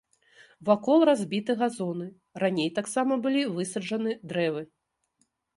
Вакол разбіты газоны, раней таксама былі высаджаны дрэвы.